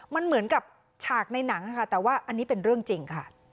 มันเหมือนกับฉากในหนังค่ะแต่ว่าอันนี้เป็นเรื่องจริงค่ะ